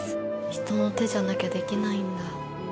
人の手じゃなきゃできないんだ。